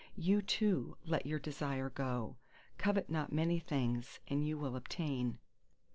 —You, too, let your desire go! covet not many things, and you will obtain.